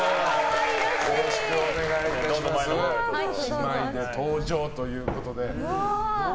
姉妹で登場ということで。